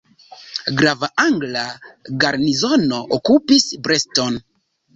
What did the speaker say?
Grava angla garnizono okupis Brest-on.